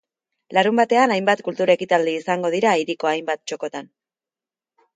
Larunbatean hainbat kultur ekitaldi izango dira hiriko hainbat txokotan.